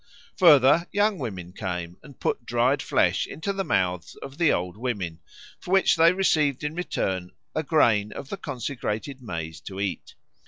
Further, young women came and put dried flesh into the mouths of the old women, for which they received in return a grain of the consecrated maize to eat.